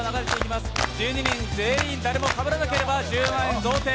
１２人全員、誰もかぶらなければ１０万円贈呈。